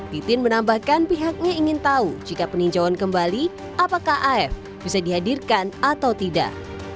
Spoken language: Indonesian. titin menambahkan pihaknya ingin tahu jika peninjauan kembali apakah af bisa dihadirkan atau tidak